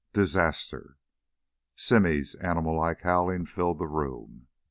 13 Disaster Simmy's animallike howling filled the room.